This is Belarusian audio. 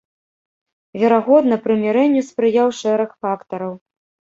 Верагодна, прымірэнню спрыяў шэраг фактараў.